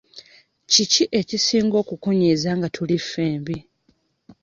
Kiki ekisinga okukunyiiza nga tuli ffembi?